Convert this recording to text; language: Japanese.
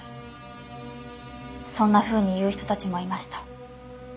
そんなふうに言う人たちもいました。